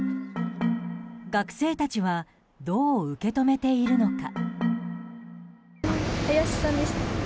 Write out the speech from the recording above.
学生たちはどう受け止めているのか。